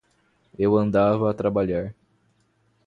Eu andava a trabalhar.